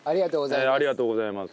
ありがとうございます。